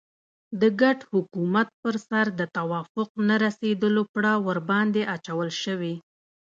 د ګډ حکومت پر سر د توافق نه رسېدلو پړه ورباندې اچول شوې.